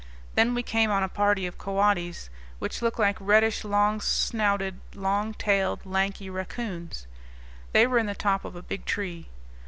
Then we came on a party of coatis, which look like reddish, long snouted, long tailed, lanky raccoons. They were in the top of a big tree.